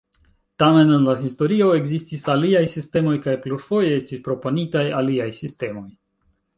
Tamen en la historio ekzistis aliaj sistemoj kaj plurfoje estis proponitaj aliaj sistemoj.